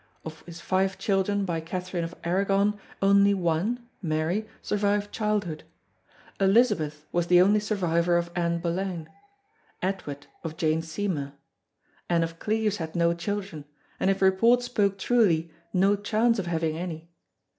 Of his five children by Catherine of Aragon only one, Mary, survived childhood. Elizabeth was the only survivor of Anne Boleyn; Edward, of Jane Seymour. Anne of Cleves had no children, and if report spoke truly no chance of having any.